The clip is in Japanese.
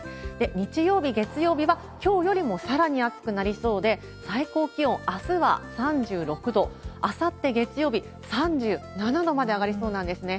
日曜日、月曜日は、きょうよりもさらに暑くなりそうで、最高気温、あすは３６度、あさって月曜日３７度まで上がりそうなんですね。